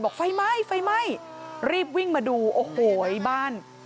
บอกไฟไหม้รีบวิ่งมาดูโอ้โหไอ้บ้าน